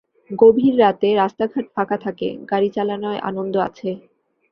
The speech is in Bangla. গভীর রাতে রাস্তাঘাট ফাঁকা থাকে, গাড়ি চালানোয় আনন্দ আছে।